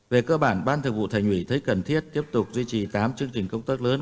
về cơ bản ban thượng vụ thành ủy thấy cần thiết tiếp tục duy trì tám chương trình công tác lớn